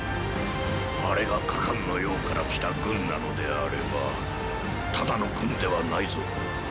あれが加冠の雍から来た軍なのであればただの軍ではないぞ。